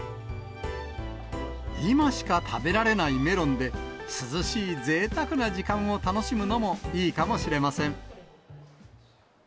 今しか食べられないメロンで、涼しいぜいたくな時間を楽しむのもいいかもしれません。